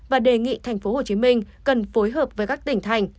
và đề nghị thành phố hồ chí minh cần phối hợp với các tỉnh thành